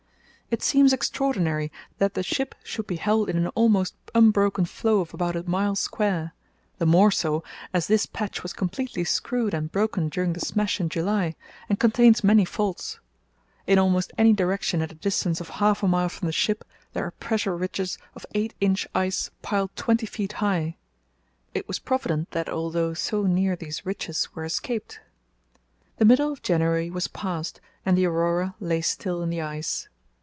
"It seems extraordinary that the ship should be held in an almost unbroken floe of about a mile square, the more so as this patch was completely screwed and broken during the smash in July, and contains many faults. In almost any direction at a distance of half a mile from the ship there are pressure ridges of eight inch ice piled twenty feet high. It was provident that although so near these ridges were escaped." The middle of January was passed and the Aurora lay still in the ice.